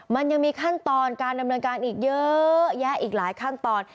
มันยังมีขั้นตอนการดำเนินการอีกเยอะแยะอีกหลายขั้นตอน